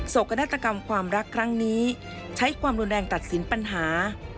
กนาฏกรรมความรักครั้งนี้ใช้ความรุนแรงตัดสินปัญหา